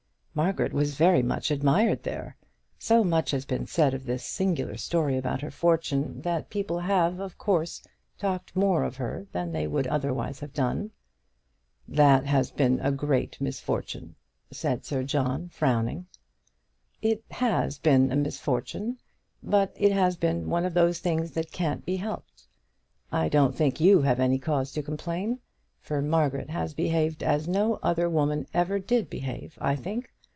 Margaret was very much admired there. So much has been said of this singular story about her fortune, that people have, of course, talked more of her than they would otherwise have done." "That has been a great misfortune," said Sir John, frowning. "It has been a misfortune, but it has been one of those things that can't be helped. I don't think you have any cause to complain, for Margaret has behaved as no other woman ever did behave, I think.